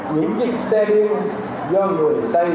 những chiếc xe điên do người dân